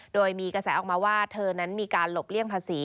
โดยมีกระแสออกมาว่าเธอนั้นมีการหลบเลี่ยงภาษี